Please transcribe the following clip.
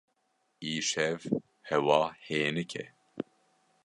Îşev hewa hênik e.